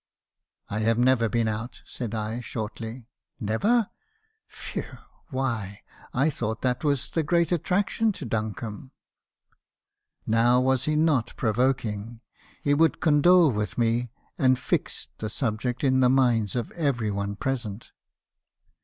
"'I have never been out/ said I, shortly. "'Never! — whew —! Why I thought that was the great attraction to Duncombe.' "Now was not he provoking? He would condole with me, and fixed the subject in the minds of every one present.